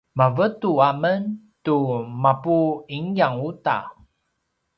mavetu a men tu mapu ingyang uta